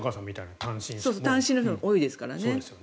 単身の人が多いですからね。